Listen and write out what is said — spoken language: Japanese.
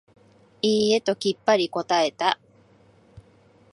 いいえ、ときっぱり答えた。